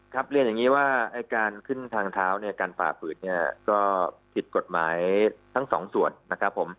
เรียนอย่างนี้ว่าการขึ้นทางเท้าเนี่ยการฝ่าฝืนเนี่ยก็ผิดกฎหมายทั้งสองส่วนนะครับผม